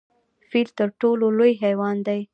فیل تر ټولو لوی حیوان دی؟